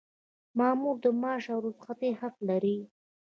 مامور د معاش او رخصتۍ حق لري.